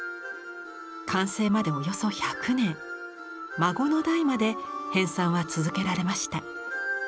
完成までおよそ１００年孫の代まで編纂は続けられました。